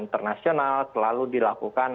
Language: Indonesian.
internasional selalu dilakukan